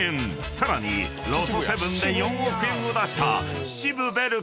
［さらにロト７で４億円を出した］